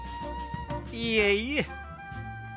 いえいえ。